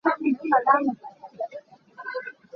Mi thah hmang cu ṭih an nung tuk.